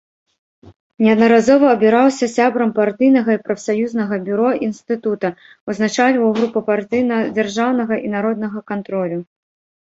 Неаднаразова абіраўся сябрам партыйнага і прафсаюзнага бюро інстытута, узначальваў групу партыйна-дзяржаўнага і народнага кантролю.